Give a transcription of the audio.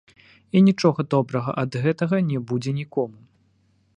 І нічога добрага ад гэтага не будзе нікому!